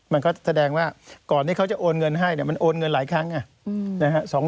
มันก็แสดงว่าก่อนที่เขาจะโอนเงินให้เนี่ยมันโอนเงินหลายครั้ง